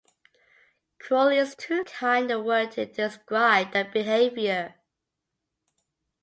Cruel is too kind a word to describe their behavior.